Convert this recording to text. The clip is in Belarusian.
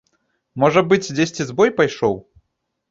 Можа быць, дзесьці збой пайшоў.